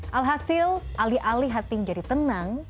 alhasil alih alih hati menjadi tenang